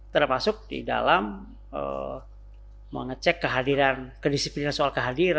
termasuk di dalam mengecek kehadiran kedisiplinan soal kehadiran